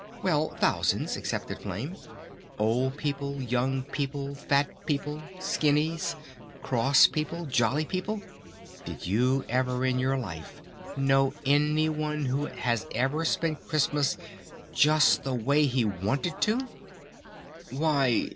"Well, thousands," accepted Flame. "Old people, young people, fat people, skinnys, cross people, jolly people?... Did you ever in your life know any one who had ever spent Christmas just the way he wanted to?" "Why